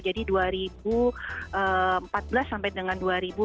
jadi dua ribu empat belas sampai dengan dua ribu delapan belas